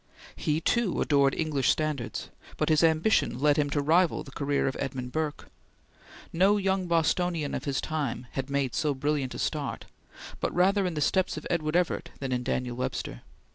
He, too, adored English standards, but his ambition led him to rival the career of Edmund Burke. No young Bostonian of his time had made so brilliant a start, but rather in the steps of Edward Everett than of Daniel Webster.